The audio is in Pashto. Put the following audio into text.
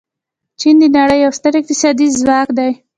چین د نړۍ یو ستر اقتصادي ځواک دی.